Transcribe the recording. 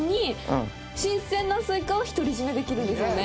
新鮮なスイカをひとりじめできるんですもんね。